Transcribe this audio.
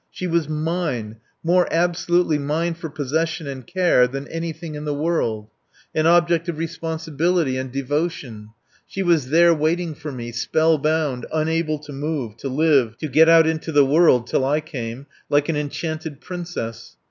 She was mine, more absolutely mine for possession and care than anything in the world; an object of responsibility and devotion. She was there waiting for me, spell bound, unable to move, to live, to get out into the world (till I came), like an enchanted princess.